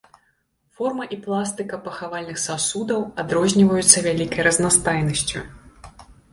Форма і пластыка пахавальных сасудаў адрозніваюцца вялікай разнастайнасцю.